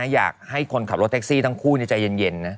อยากให้คนขับรถแท็กซี่ทั้งคู่ใจเย็นนะ